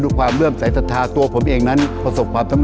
เป็นความเชื่อว่าหลวงพ่อพระนอนนั้นได้ให้กำลังใจในการที่จะสร้างสิ่งที่ดีงาม